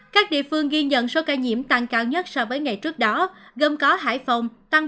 các địa phương ghi nhận số ca nhiễm tăng cao nhất so với ngày trước đó gồm có hải phòng tăng bốn trăm linh sáu